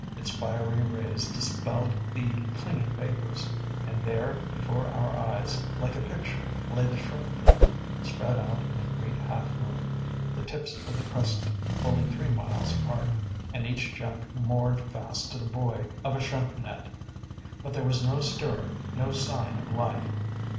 Its fiery rays dispelled the clinging vapors, and there, before our eyes, like a picture, lay the shrimp fleet, spread out in a great half moon, the tips of the crescent fully three miles apart, and each junk moored fast to the buoy of a shrimp net. But there was no stir, no sign of life.